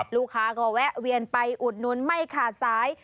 ลูกค้าก็แวะเวียนไปอุดหนุนไม่ขาดสาย